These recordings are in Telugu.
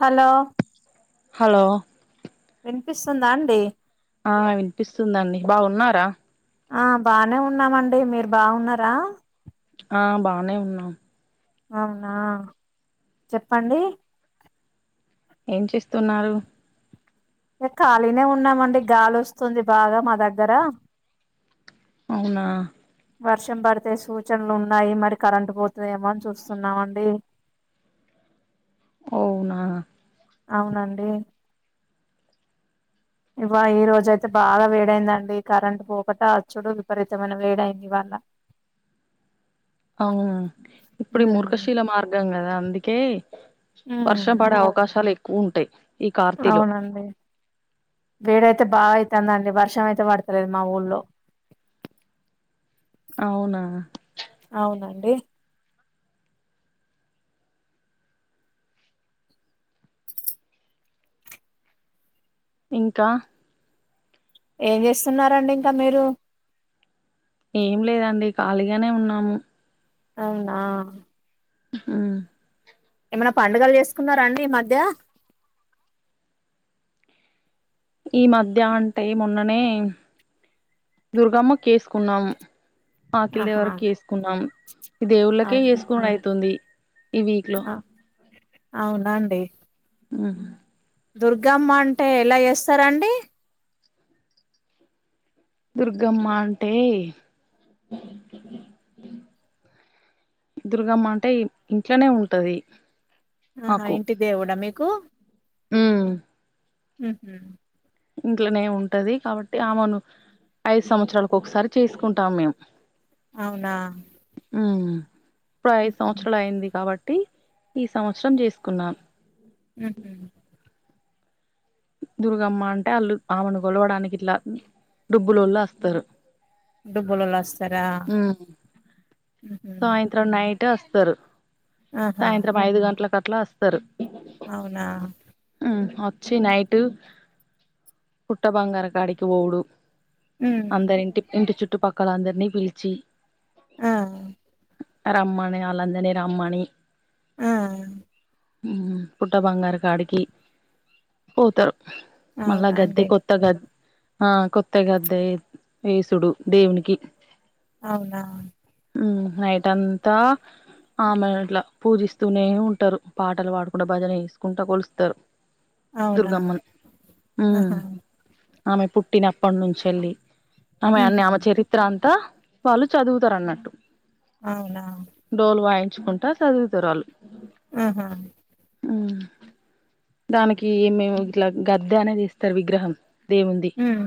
హలో హలో వినిపిస్తుందా అండి ఆ వినిపిస్తుందండి బాగున్నారా ఆ బానే ఉన్నామండి మీరు బాగున్నారా ఆ బానే ఉన్నాం అవునా చెప్పండి ఏం చేస్తున్నారు ఏ ఖాళీనే ఉన్నామండి గాలి వస్తుంది బాగా మా దగ్గర అవునా వర్షం పడితే సూచనలు ఉన్నాయి మరి కరెంట్ పోతదమో అని చూస్తున్నామండి అవునా అవునండి ఇవా ఈ రోజ అయితే బాగా వేడైందండి కరెంట్ పోకట అచ్చుడు విపరీతమైన వేడైంది ఇవాళ అవు ఇప్పుడు ఉమ్ మూర్ఖశీల మార్గం కదా అందుకే వర్షం పడే ఉమ్, అవకాశాలు ఎక్కువ ఉంటాయి ఈ కార్తీలో అవునండి వేడయితే బాగాయితాందండి వర్షం అయితే పడతలేదు మా ఊళ్ళో అవునా అవునండి ఇంకా ఏం చేస్తున్నరాండి ఇంక మీరు ఏం లేదండి ఖాళీగానే ఉన్నాము అవునా ఉ ఏమైనా పండుగలు చేసుకున్నారాండి ఈ మధ్య ఈ మధ్య అంటే మొన్ననే దుర్గమ్మ కేసుకున్నాము ఆఖిలి ఆహా దేవరకేసుకున్నాం ఈ దేవుళ్ళకే అవునా చేసుకునుడయితుంది ఈ వీక్ లో అవునా మ్ దుర్గామ్మ అంటే ఎలా చేస్తారండి దుర్గమ్మ అంటే దుర్గమ్మ అంటే ఇ ఇంట్లనే ఉంటది ఆహా ఇంటి దేవుడా మీకు మ్ మ్ హు ఇంట్లనే ఉంటది కాబట్టి ఆమెను ఐదు సంవత్సరాలకు ఒకసారి చేసుకుంటాం మేము అవునా మ్ ఇప్పుడు ఐదు ఉహు సంవత్సరాలు అయింది కాబట్టి ఈ సంవత్సరం చేసుకున్నాం మ్ హు దుర్గమ్మ అంటే వాళ్ళు ఆమెను కొలువడానికి ఇట్ల దుబ్బులోళ్ళస్తారు దుబ్బులోల్లస్ మ్ ఉహు సాయంత్రం నైట్ వస్తారు ఆహా సాయంత్రం ఐదు గంట్ల కట్లా వస్తారు అవునా మ్ వచ్చి నైట్ పుట్ట బంగారం కాడికి పోవుడు మ్ అందరి ఇంటి ఇంటి చుట్టుపక్కల అందరినీ పిలిచి ఆ రమ్మాని ఆలాందరిని రమ్మని ఆ మ్ పుట్ట బంగారం కాడికి పోతారు మళ్ళా అవునా అండి గద్దె కొ కొత్త గద్ ఆ కొత్త గద్దె ఏసుడు దేవునికి అవునా మ్ నైట్ అంతా ఆమెను ఇట్లా పూజిస్తూనే ఉంటరు పాటలు పాడుకుంట భజన వేసుకుంటా కొలుస్తారు అవునా దుర్గమ్మను మ్ ఆహా ఆమె పుట్టినప్పటినుంచెల్లి ఆమె అన్ని ఉహు ఆమె చే త్రంతా వాళ్ళు చదువుతారన్నట్ అవునా డోల్ వాయించుకుంటా చదువుతరళ్ళు ఆహా మ్ దానికి మీము ఇట్ల గద్దె అనేది ఇస్తారు విగ్రహం దేవున్ది ఉమ్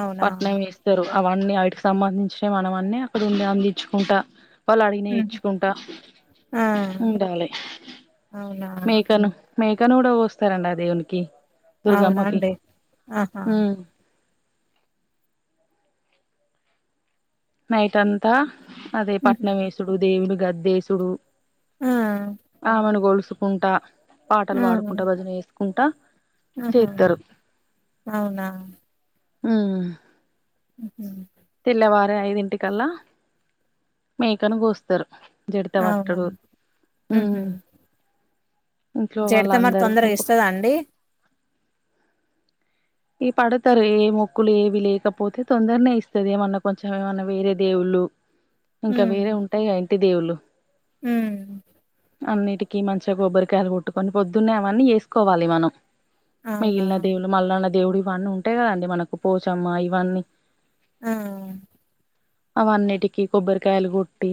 అవునా పట్నం ఎస్ స్తారు అవన్నీ అవిటికి సంబంధించినవి మన అన్నీ అక్కడ ఉండి అందించుకుంటా వాళ్ళు అడిగినయి ఉమ్ ఇచ్చుకుంటా ఆ ఉండాలే అవునా మేకను మేకను కూడా కోస్తారండి ఆ దేవునికి అవునా దుర్గమ్మకి అండి ఆహా మ్ నైట్ అంతా అదే ఉహు పట్నం ఎసుడు దేవుని గద్దేసుడు ఆ ఆమెను కోలుసుకుంటా పాటలు పాడుకుంటా భజన చేసుకుంటా ఆహ అవునా ఉహ్ ఉహు తెల్లవారే ఐదింటికల్లా మేకను గోస్తారు అవునా జడితవట్టడు ఉమ్ ఉహు ఇంట్లో జడత మరి వాళ్లందరూ తొందరగా ఉప ఇస్తదా అండి ఈ పడతారు ఏ మొక్కులు ఏవి లేకపోతే తొందరనే ఇస్తది ఏమన్నా కొంచెం ఏమన్నా వేరే దేవుళ్ళు ఇంకా ఉమ్ వేరే ఉంటాయి కదా ఇంటి దేవుళ్ళు ఉమ్ అన్నిటికి మంచిగా కొబ్బరికాయలు కొట్టుకొని పొద్దున్నే అవన్నీ చేసుకోవాలి మనం అవునా మిగిలిన దేవుళ్ళు మల్లన్న దేవుడు ఇవన్నీ ఉంటాయి కదండి మనకు పోచమ్మ ఇవన్నీ ఆ అవన్నిటికి కొబ్బరికాయలు కొట్టి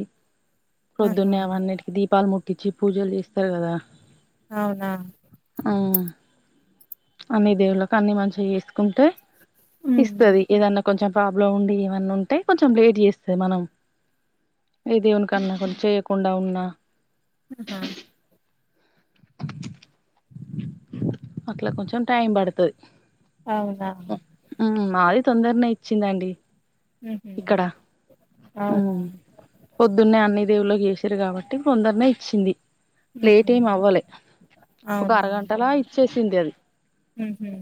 ఆహా ప్రోద్దున్నే అవన్నిటికి దీపాలు ముట్టించి పూజలు చేస్తారు కదా అవునా అవు అన్ని దేవుళ్ళలకు అన్ని మంచిగా చేసుకుంటే ఉమ్ ఇస్తది ఏదన్నా కొంచెం ప్రాబ్లం ఉండి ఏమన్నా ఉంటే కొంచెం లేట్ చేస్తది మనం ఏ దేవునికి అన్న కొన్ని చేయకుండా ఉన్నా ఆహా అట్లా కొంచెం టైం పడతది అవునా ఉమ్ మాది తొందరనే ఇచ్చిందండి ఉహు ఇక్కడ అవునా ఉమ్ పొద్దున్నే అన్ని దేవుళ్ళకి చేశిరూ కాబట్టి కొందరినే ఇచ్చింది లేట్ ఉహు ఏమి అవ్వాలే ఒక అవునా అరగంటలా ఇచ్చేసింది అది ఉహు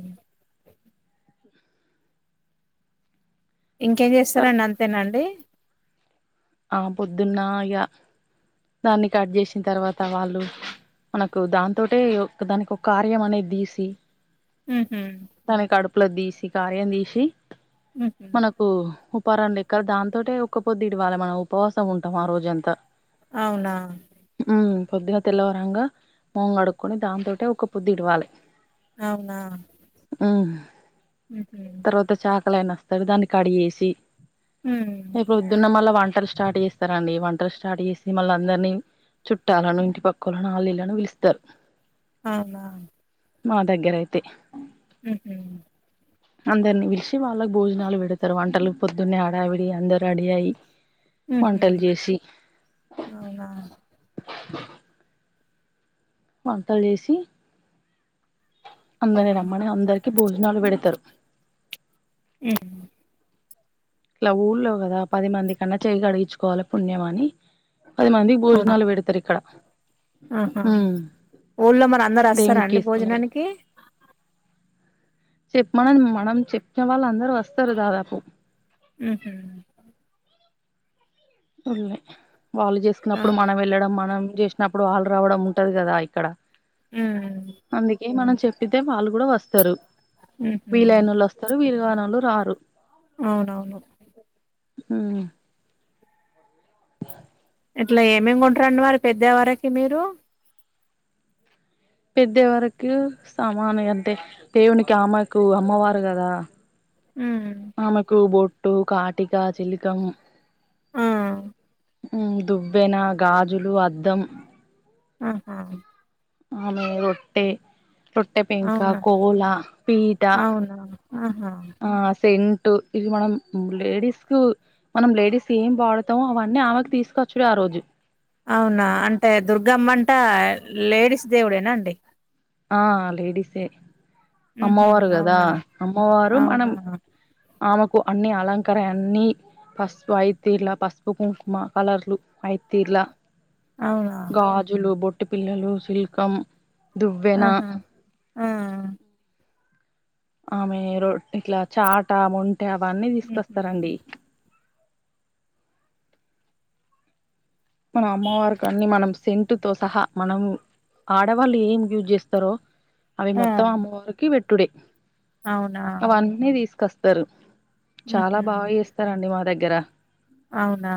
ఇంకేం చేస్తారండి అంతేనండి ఆ పొద్దున్న ఇగా దాన్ని కట్ చేసిన తర్వాత వాళ్ళు మనకు దాంతోటె దానికి ఒక కార్యం అనేది తీసి ఉహు తనే కడుపులది తీసి కార్యం తీసి ఉహు ఓ ఉపారండిక్కద దాంతోటే ఒకపొదు ఇడవాలే మనం ఉపవాసం ఉంటాము ఆ రోజంతా అవునా ఉ పొద్దుగా తెల్లవరంగా మగం కడుక్కొని దాంతోటే ఒక పొద్దు ఇడవాలి అవునా ఉహు ఉహు తర్వాత చాకలైన దాన్ని కడిగేసి ఉ ఇగ పొద్దున్న మళ్ళ వంటలు స్టార్ట్ చేస్తారండి వంటలు స్టార్ట్ చేసి మళ్ళ అందరినీ చుట్టాలనో ఇంటి పక్కోళ్లను అల్లు ఈళ్లను పిలుస్తారు అవునా మా దగ్గర అయితే ఉహు అందరిని పిలిచి వాళ్ళకి భోజనాలు పెడతరు, వంటలు పొద్దున్నే ఆడావిడి అందరు రెడీ అయి. హు హ్ వంటలు చేసి అవునా వంటలు చేసి అందరిని ఉమ్. రమ్మని అందరికి భోజనాలు పెడతారు హ్ ఇలా ఊళ్ళో కదా పది మంది కన్నా చెయ్యి గడిగించుకోవాలి పుణ్యం అని పది మందికి అవునా భోజనాలు పెడతరు ఇక్కడ ఆహా ఉమ్ ఊళ్ళో మరి అందరు వస్తారా దేవునికి అండి వేసుకున్నారు భోజనానికి చెప్ప మనన్ మనం చెప్పిన వాళ్ళు అందరు వస్తారు దాదాపు మ్మ్ హు వాళ్ళు ఆ చేసుకున్నప్పుడు మనం వెళ్ళడం మనం చే కున్నప్పుడు వాళ్ళు రావడం ఉంటది కదా ఇక్కడ ఉమ్ అందుకే మనం చెప్ ప్పితే వాళ్ళు కూడా వస్తారు, ఉహు వీలైన వాళ్ళు వస్తారు వీళ్లు గానోళ్లు రారు. అవునవును హ్మ్ అ ఇట్లా ఏమేమి కొంటారండి మరి పెద్దెవరకి మీరు పెద్దెవరకు సామాను ఇగ అంతే దేవునికి ఆమ్మకు అమ్మవారు కదా హ్మ్ ఆమెకు బొట్టు, కాటికా, చిలికం ఆ హు దువ్వెన, గాజులు, అద్దం ఆహా అమే రొట్టె రొట్టె పెంక, అవునా కోలా, పీఠ అవునా ఆహా ఆ సెన్ టు ఇది మనం లేడీస్ కు మనం లేడీస్ ఏం వాడుతామో అవన్నీ ఆమెకి తీసుకవచ్చుడు ఆ రోజు అవునా అంటే దుర్గమ్మ అంట లేడీస్ దేవుడేనా అండి ఆ లేడీసే ఉహు అమ్మవారు కదా అవునా అమ్మవారు మనం అవునా ఆమెకు అన్ని అలంకరె అన్ని పసుపు ఆయితే ఇలా పసుపు కుంకుమ కలర్లు ఆయితీర్లా. అవునా గాజులు, బొట్టు పిల్లలు, సిలకం ఆహా ఆ ఆమె రొ ఇట్లా చాట, మొంట అవన్నీ ఉహు తీసుకొస్తారండి. మన అమ్మవారి కన్ని మనం సెంట్ తో సహా మనము ఆడవాళ్ళు ఏం యూజ్ చేస్తారొ అవి ఆ మొత్తం అమ్మవారికి పెట్టుడే అవునా అవన్నీ తీసుకొస్తరు చాలా ఉహు బాగా చేస్తరండి మా దగ్గర అవునా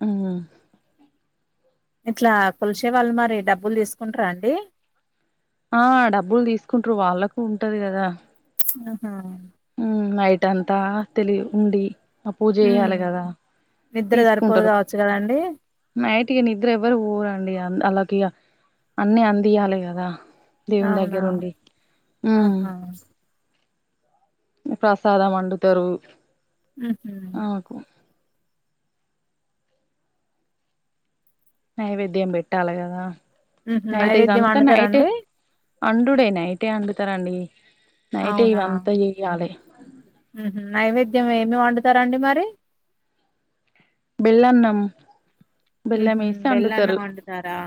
హూ ఇట్లా కొలిసే వాళ్ళు మరి డబ్బులు తీసుకుంటార అండి ఆ డబ్బులు తీసుకుంట్రూ వాళ్ళకు ఉంటది కదా ఆహా హు నైట్ అంతా తెలి ఉండి ఆ పూజ ఉమ్ చేయాలి కదా నిద్ర సరిపోదు తీసుకుంటరు కావచ్చు కదండి నైట్ ఇగ నిద్ర ఎవ్వరు పోరండి అలాగియ అన్ని అందియాలి కదా దేవుని అవునా దగ్గర ఉండి ఊ ఆహా ప్రసాదం వండుతారు ఉహు కో నైవేద్యం పెట్టాలి కదా ఉహు నైట్ నైవేద్యం ఇదంతా నైటే వండుతారండి అండుడే నైటే అండుతారుండి నైటే ఇవంతా చెయ్యాలి హ నైవేద్యం ఏమి వండుతారండి మరి బెల్లన్నం బెల్లం ఉహు వేసి బెల్లన్నం వండుతారు వండుతారా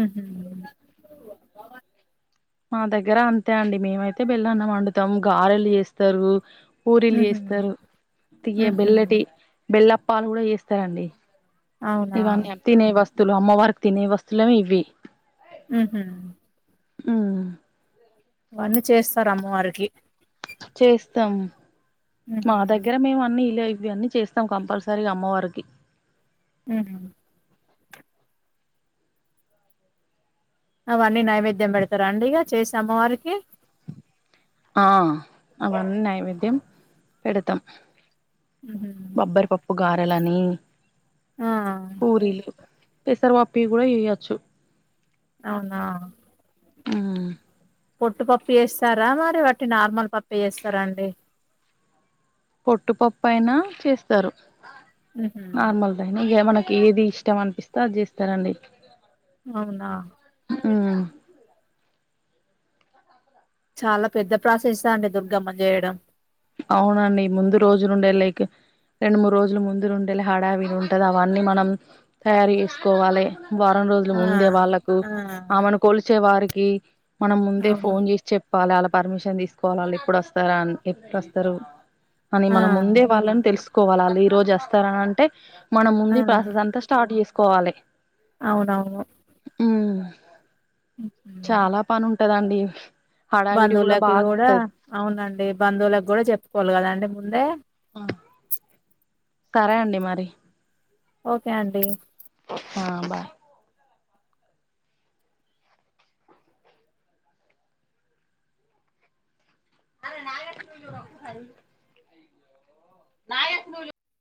ఉహు మా దగ్గర అంతే అండి మేమైతే బెల్లాన్నం వండుతాం గారెలు చేస్తారు పూరీలు ఉహు చేస్తరు తియ ఉహు బెల్లటి బెల్లప్పాలు కూడా చేస్తారండి అవునా ఇవన్నీ తినే వస్తువులు అమ్మవారికి తినే వస్తువులు ఇవి ఉహు ఉ ఇవన్నీ చేస్తరు అమ్మవారికి చేస్తం మా ఉహు దగ్గర మేము అన్ని ఇలా ఇవ అన్నీ చేస్తాం కంపల్సరీగా అమ్మవారికి ఉహు అవన్నీ నైవేద్యం పెడతారాండి ఇక చేసి అమ్మవారికి ఆ అన్నీ నైవేద్యం పెడతం ఉహు బబ్బరిపప్పు గారలని ఆ పూరీలు పేసరు పప్పియి కూడా చేయొచ్చు అవునా ఆ పొట్టు పప్పు చేేస్తారా మరి వట్టి నార్మల్ పప్పే చేస్తారా అండి పొట్టుపప్పు అయినా చేస్తారు ఉహు నార్మల్ ఇగ మనకి ఏది ఇష్టం అనిపిస్తే అది చేస్తారండి అవునా ఉమ్ చాలా పెద్ద ప్రాసెస్యే అండి దుర్గమ్మను చేయడం అవునండి ముందు రోజు నుండే లైక్ రెండు మూడు రోజుల ముందులు ఉండేలే హడావిడి ఉంటది అవన్నీ మనం తయారు చేసుకోవాలి వారం రోజులు ఆ ముందే వాళ్ళలకు ఆ ఆమెను కొలిచే వారికి మనం ముందే అవునా ఫోన్ చేసి చెప్ప కోవాలి అలా పర్మిషన్ తీసుకోవాల ఎప్పుడు వస్తరా అని ఎప్పుడోస్తారు అని ఆ మనం ముందే వాళ్ళని తెలుసుకోవాలి వాళ్ళు ఈ రోజు వస్తారంటే మనం ఆ ముందు ప్రాసెస్ అంతా స్టార్ట్ చేసుకోవాలి అవునవును ఉ ఉహు. చాలా పని ఉంటదండి హడావిడి బంధువులకి కూడా బాగుంటది అవునండి బంధువులకి కూడా చెప్పుకోవాలి కదాండి ముందే సరే అండి మరి ఓకే అండి హ బాయ్ అరే నా రకు నాయె స్కూల్లు